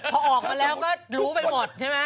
พอออกมาแล้วก็รู้ไปหมดใช่ไหม